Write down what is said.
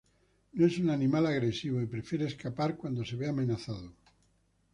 No es un animal agresivo y prefiere escapar cuando se ve amenazado.